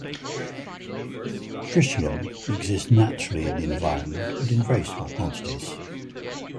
Tritium exists naturally in the environment, but in very small quantities.